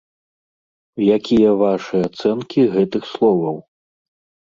Якія вашы ацэнкі гэтых словаў?